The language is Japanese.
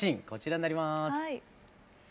こちらになります。